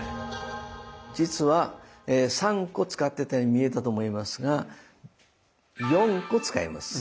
実は３個使ってたように見えたと思いますが４個使います。